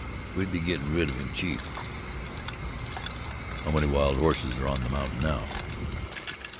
"We'd be gettin' rid of him cheap." "How many wild horses on the mountain now?"